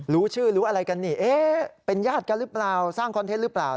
รู้ชื่อรู้อะไรกันนี่เอ๊ะเป็นญาติกันหรือเปล่าสร้างคอนเทนต์หรือเปล่า